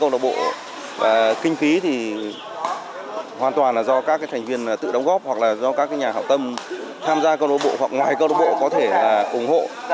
câu lạc bộ kinh phí thì hoàn toàn là do các thành viên tự đóng góp hoặc là do các nhà hợp tâm tham gia câu lạc bộ hoặc ngoài câu lạc bộ có thể là ủng hộ